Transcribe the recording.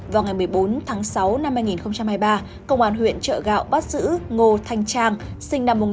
vào ngày một mươi bốn tháng sáu năm hai nghìn hai mươi ba công an huyện trợ gạo bắt giữ ngô thanh trang sinh năm một nghìn chín trăm tám mươi hai